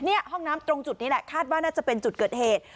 นี่ห้องน้ำตรงจุดนี้แหละคาดว่าน่าจะเป็นจุดเกิดเหตุ